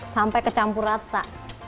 sampai kecampur rata